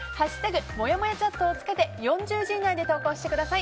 「＃もやもやチャット」を付けて４０字以内で投稿してください。